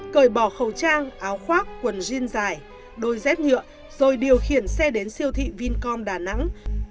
cởi bỏ khẩu trang áo khoác quần jean dài đôi dép nhựa rồi điều khiển xe đến siêu thị vincom đà nẵng